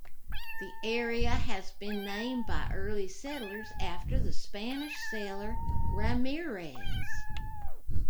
The area has been named by early settlers after the Spanish sailor Ramirez.